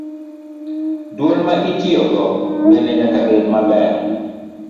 Dwol ma itiyogo bende nyaka bed maber.